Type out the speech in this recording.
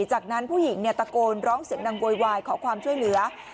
จากนั้นผู้หญิงตะโกนร้องเสียงดังโวยวายขอความช่วยเหลือ